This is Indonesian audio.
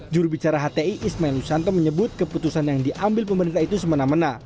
jurubicara hti ismail nusanta menyebut keputusan yang diambil pemerintah itu semena mena